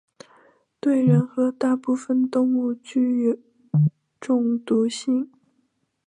对人和大部分动物具中毒性。